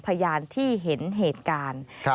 พยานที่เห็นเหตุการณ์